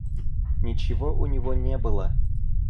Ничего у него не было.